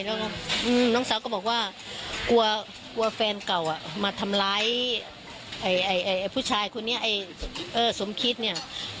แล้วก็น้องสาวก็บอกว่ากลัวกลัวแฟนเก่ามาทำร้ายไอ้ผู้ชายคนนี้ไอ้สมคิดเนี่ย